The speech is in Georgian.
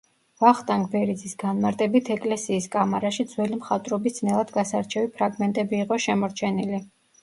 ვახტანგ ბერიძის განმარტებით, ეკლესიის კამარაში ძველი მხატვრობის ძნელად გასარჩევი ფრაგმენტები იყო შემორჩენილი.